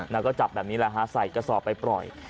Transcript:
แล้วก็จับแบบนี้ใส่กระซอบไปปล่อย